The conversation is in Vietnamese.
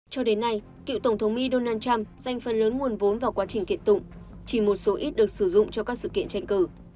cho đến nay cựu tổng thống mỹ donald trump dành phần lớn nguồn vốn vào quá trình kiện tụng chỉ một số ít được sử dụng cho các sự kiện tranh cử